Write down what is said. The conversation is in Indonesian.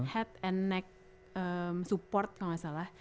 head and neck support kalau gak salah